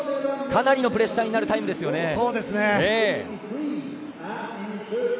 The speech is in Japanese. かなりのプレッシャーになるタイムですよね。